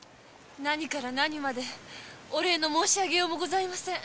何から何までお礼の申し上げようもございません。